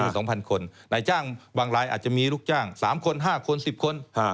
ไหนจ้างบางรายอาจจะมีลูกจ้าง๓คน๕คน๑๐คน